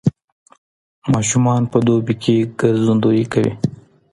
ماشومان په دوبي کې ګرځندويي کوي.